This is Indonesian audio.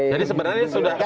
jadi sebenarnya sudah